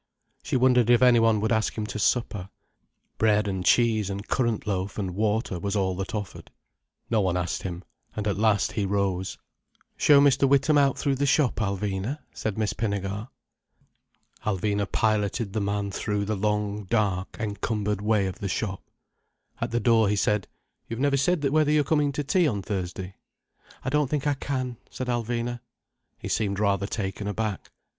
She wondered if any one would ask him to supper—bread and cheese and currant loaf, and water, was all that offered. No one asked him, and at last he rose. "Show Mr. Witham out through the shop, Alvina," said Miss Pinnegar. Alvina piloted the man through the long, dark, encumbered way of the shop. At the door he said: "You've never said whether you're coming to tea on Thursday." "I don't think I can," said Alvina. He seemed rather taken aback.